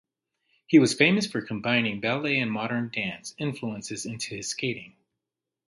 He was famous for combining ballet and modern dance influences into his skating.